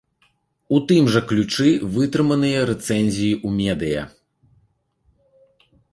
У тым жа ключы вытрыманыя рэцэнзіі ў медыя.